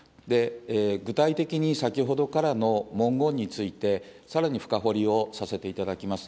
具体的に、先ほどからの文言について、さらに深掘りをさせていただきます。